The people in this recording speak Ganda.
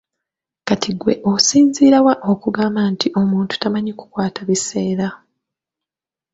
Kaakati ggwe osinziira wa okugamba nti omuntu tamanyi kukwata biseera?